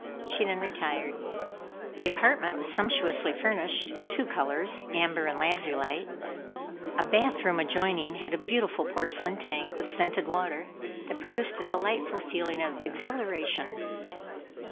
She then retired. The apartment was sumptuously furnished in two colors amber and lazulite. A bath room adjoining had a beautiful porcelain tank with scented water, that produced a delightful feeling of exhilaration.